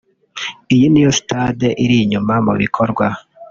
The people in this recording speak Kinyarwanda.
Iyi ni yo stade iri inyuma mu bikorwa